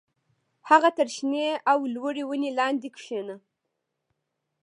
هغه تر شنې او لوړې ونې لاندې کېنه